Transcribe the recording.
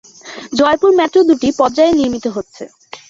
Jaipur metro দুটি পর্যায়ে নির্মিত হচ্ছে।